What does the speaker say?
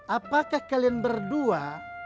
apakah kalian berdua